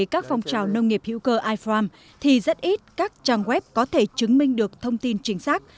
các phong trào nông nghiệp hữu cơ ifarm thì rất ít các trang web có thể chứng minh được thông tin chính xác